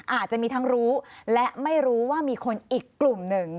อาจจะมีทั้งรู้และไม่รู้ว่ามีคนอีกกลุ่มหนึ่ง